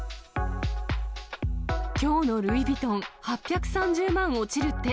きょうのルイ・ヴィトン、８３０万落ちるって。